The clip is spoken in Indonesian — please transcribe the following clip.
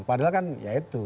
padahal kan ya itu